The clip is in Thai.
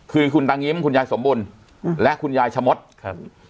คือคุณตางิ้มคุณยายสมบุญอืมและคุณยายชะมดครับ